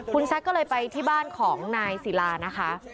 คุณแซคก็เลยไปที่บ้านของนายศิลานะคะ